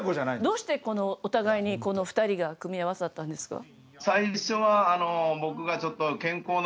どうしてお互いにこの２人が組み合わさったんですか？